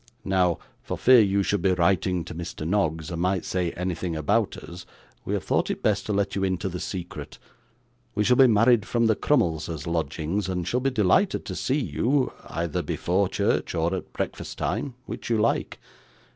Now, for fear you should be writing to Mr. Noggs, and might say anything about us, we have thought it best to let you into the secret. We shall be married from the Crummleses' lodgings, and shall be delighted to see you either before church or at breakfast time, which you like.